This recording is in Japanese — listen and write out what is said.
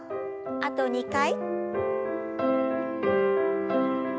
あと２回。